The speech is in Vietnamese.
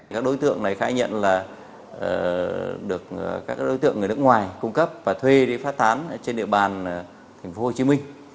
các đối tượng này khai nhận là được các đối tượng người nước ngoài cung cấp và thuê đi phát tán trên địa bàn tp hcm